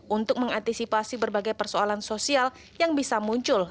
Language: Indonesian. untuk mengantisipasi berbagai persoalan sosial yang bisa muncul